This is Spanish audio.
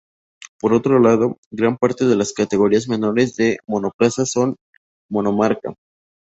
Por otro lado, gran parte de las categorías menores de monoplazas son monomarca.